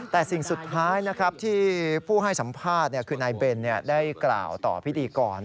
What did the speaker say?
แต่สิ่งสุดท้ายที่ผู้ให้สัมภาษณ์คือนายเบนได้กล่าวต่อพิธีกร